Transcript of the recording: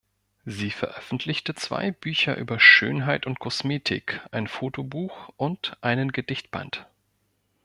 Sie veröffentlichte zwei Bücher über Schönheit und Kosmetik, ein Fotobuch und einen Gedichtband.